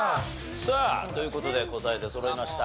さあという事で答え出そろいました。